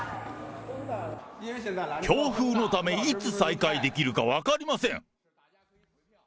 強風のためいつ再開できるか分かりません。